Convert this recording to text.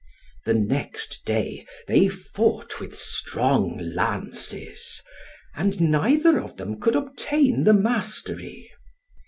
The next day they fought with strong lances; and neither of them could obtain the mastery.